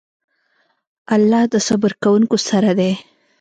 الله د صبر کوونکو سره دی.